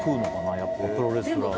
やっぱプロレスラーは。